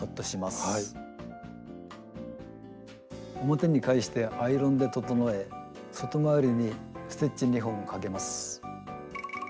表に返してアイロンで整え外回りにステッチ２本かけます。